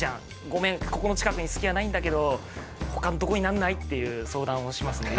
「ごめんここの近くにすき家ないんだけど他のとこにならない？」っていう相談をしますね。